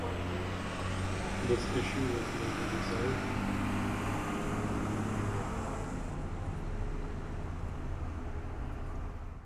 This issue was later resolved.